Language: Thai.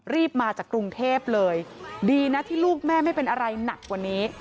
มาจากกรุงเทพเลยดีนะที่ลูกแม่ไม่เป็นอะไรหนักกว่านี้